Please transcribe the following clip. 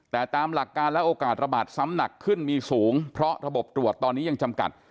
แต่ตามหลักการและโอกาสระบาดซ้ำหนักขึ้นมีสูงเพราะระบบตรวจตอนนี้ยังจำกัด